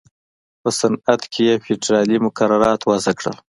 په صنعت کې یې فېدرالي مقررات وضع کړل.